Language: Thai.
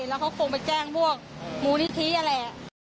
แล้วเขาคงไปแจ้งพวกมูลิธิอะไร